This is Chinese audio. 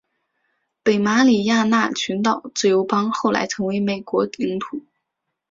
北马里亚纳群岛自由邦后来成为美国领土。